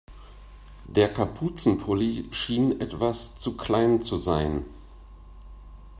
Der Kapuzenpulli schien etwas zu klein zu sein.